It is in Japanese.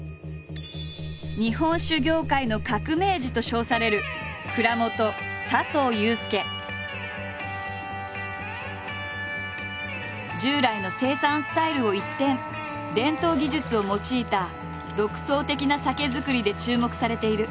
日本酒業界の革命児と称される従来の生産スタイルを一転伝統技術を用いた独創的な酒造りで注目されている。